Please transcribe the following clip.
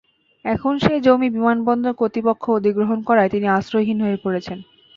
এখন সেই জমি বিমানবন্দর কর্তৃপক্ষ অধিগ্রহণ করায় তিনি আশ্রয়হীন হয়ে পড়েছেন।